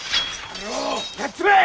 やっちまえ！